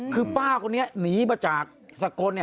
คือป้าคนนี้หนีมาจากสกล